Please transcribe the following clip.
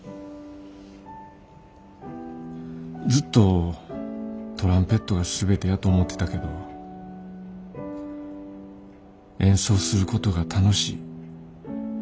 ずっとトランペットが全てやと思ってたけど演奏することが楽しい。